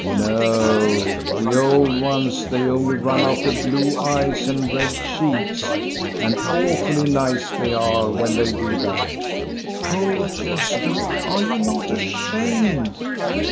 " No, the old ones, they only run after blue eyes and red cheeks ; and awfully nice they are, when they do that" " Oh, Gosta, are you not ashamed?